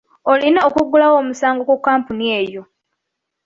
Olina okuggulawo omusango ku kkampuni eyo.